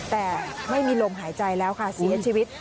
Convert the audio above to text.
แต่ไม่มีลมหายใจแล้วค่ะเสียชีวิต